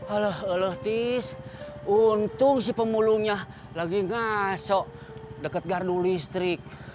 alah alah tis untung si pemulungnya lagi ngasok deket gardu listrik